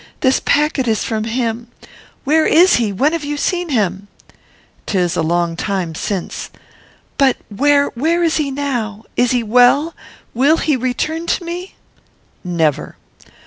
This packet is from him. Where is he? When have you seen him?" "'Tis a long time since." "But where, where is he now? Is he well? Will he return to me?" "Never."